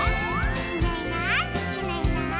「いないいないいないいない」